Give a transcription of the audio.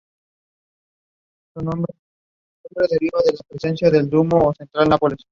Un ejemplo excelente lo constituye su trabajo sobre la teoría de la espectroscopia.